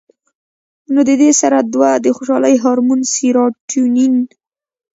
نو د دې سره دوه د خوشالۍ هارمون سېراټونین